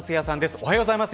おはようございます。